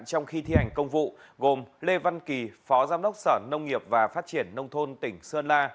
trong khi thi hành công vụ gồm lê văn kỳ phó giám đốc sở nông nghiệp và phát triển nông thôn tỉnh sơn la